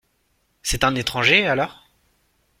C’est un étranger, alors ?